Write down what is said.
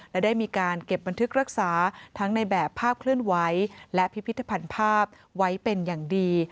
และได้มีการเก็บบันทึกรักษาทั้งในแบบภาพเคลื่อนไหวและพิพิธภัณฑ์ภาพไว้เป็นอย่างดี